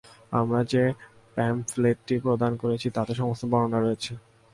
আমরা যে প্যামফলেটটি প্রদান করেছি তাতে সমস্ত বিবরণ রয়েছে।